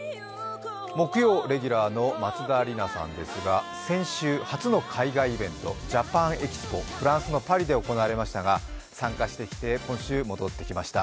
木曜レギュラーの松田里奈さんですが先週、初の海外イベント、ＪａｐａｎＥｘｐｏ、フランスのパリで行われましたが、参加してきて今週、戻ってきてくれました。